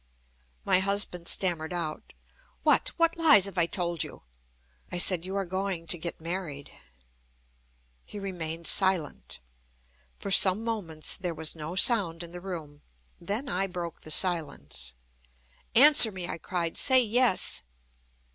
My husband stammered out: "What what lies have I told you?" I said: "You are going to get married." He remained silent. For some moments there was no sound in the room. Then I broke the silence: "Answer me," I cried. "Say, yes."